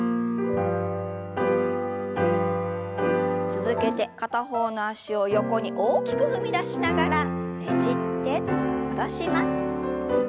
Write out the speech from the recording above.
続けて片方の脚を横に大きく踏み出しながらねじって戻します。